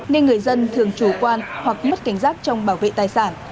nên người dân thường chủ quan hoặc mất cảnh giác trong bảo vệ tài sản